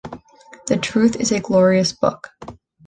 The truth is a glorious book.